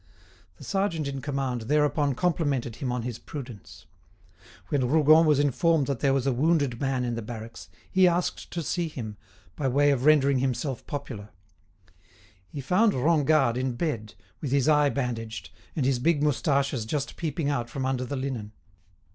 The sergeant in command thereupon complimented him on his prudence. When Rougon was informed that there was a wounded man in the barracks, he asked to see him, by way of rendering himself popular. He found Rengade in bed, with his eye bandaged, and his big moustaches just peeping out from under the linen.